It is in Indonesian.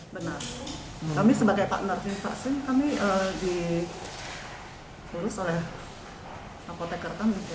benar kami sebagai partner vaksin kami diurus oleh apotek kertan